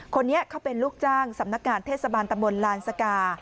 คนนี้เขาเป็นลูกจ้างสำนักงานเทศบาลตะมนต์ลานสกา